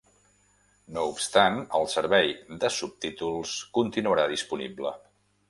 No obstant, el servei de subtítols continuarà disponible.